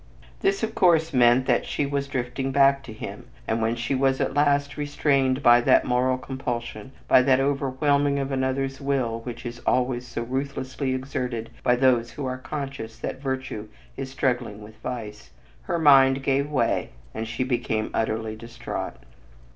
This of course meant that she was drifting back to him, and when she was at last restrained by that moral compulsion, by that overwhelming of another's will which is always so ruthlessly exerted by those who are conscious that virtue is struggling with vice, her mind gave way and she became utterly distraught.